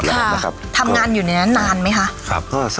แล้วทำงานอยู่ในนั้นนานมั้ยคะ